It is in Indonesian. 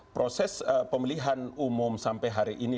proses pemilihan umum sampai hari ini